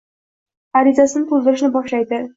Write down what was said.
arizasini to‘ldirishni boshlaydi.